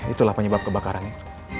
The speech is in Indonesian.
itulah penyebab kebakarannya